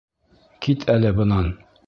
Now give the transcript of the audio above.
— Кит әле бынан.